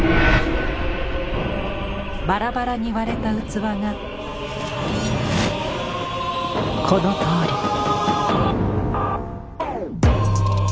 バラバラに割れた器がこのとおり。